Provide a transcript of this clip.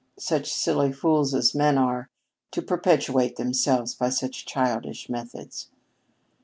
Such silly fools as men are, trying to perpetuate themselves by such childish methods."